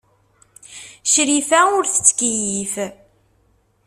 Crifa ur tettkeyyif.